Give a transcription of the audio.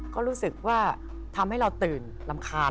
ก็รู้สึกว่าทำให้เราตื่นรำคาญ